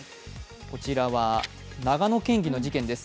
こちらは長野県議の事件です。